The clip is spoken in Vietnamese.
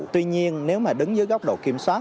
tuy nhiên nếu mà đứng dưới góc độ kiểm soát